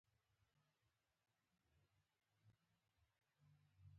د احمد پر سپين ډاګ غاښونه ووتل